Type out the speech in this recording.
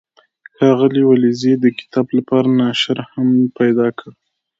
ښاغلي ولیزي د کتاب لپاره ناشر هم پیدا کړ.